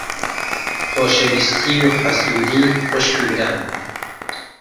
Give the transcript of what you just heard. خۆشەویستی و حەسوودی خوشک و بران.